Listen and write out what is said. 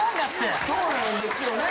そうなんですよね。